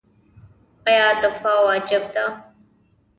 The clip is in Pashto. آیا دفاع واجب ده؟